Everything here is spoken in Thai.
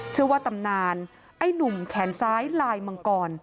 ชื่อว่าตำนานไอ้หนุ่มแขนซ้ายลายมังกร